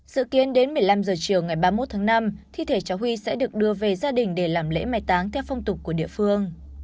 sự kiến đến một mươi năm h chiều ngày ba mươi một tháng năm thi thể cháu huy sẽ được đưa về gia đình để làm lễ mai táng theo phong tục của địa phương